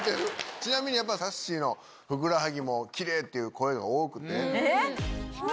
ちなみにやっぱさっしーのふくらはぎもキレイっていう声が多くて。